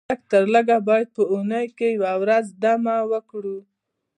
لږ تر لږه باید په اونۍ کې یوه ورځ دمه وکړو